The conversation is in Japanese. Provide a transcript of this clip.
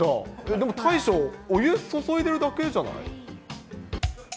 でも、大将、お湯注いでるだけじゃない？